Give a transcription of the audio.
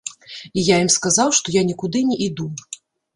І я ім сказаў, што я нікуды не іду.